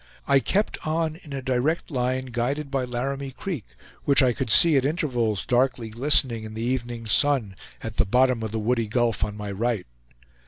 I kept on in a direct line, guided by Laramie Creek, which I could see at intervals darkly glistening in the evening sun, at the bottom of the woody gulf on my right.